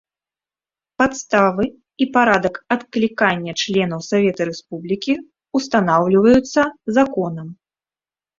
Падставы і парадак адклікання членаў Савета Рэспублікі ўстанаўліваюцца законам.